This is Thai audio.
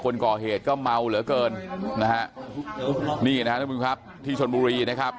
คนก่อเหตุก็เมาเหลือเกินนะฮะนี่นะครับที่ชนบุรีนะครับ